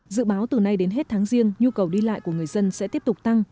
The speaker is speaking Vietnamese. dự báo từ nay đến hết tháng riêng nhu cầu đi lại của người dân sẽ tiếp tục tăng